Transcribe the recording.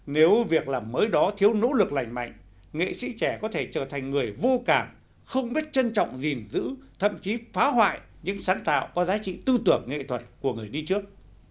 nếu việc làm mới đó thiếu nỗ lực lành mạnh nghệ sĩ trẻ có thể trở thành người vô cảm không biết trân trọng gìn giữ thậm chí phá hoại những sáng tạo có giá trị tư tưởng nghệ thuật của người đi trước